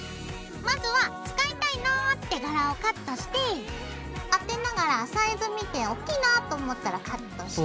まずは使いたいなって柄をカットして当てながらサイズ見ておっきいなぁと思ったらカットして。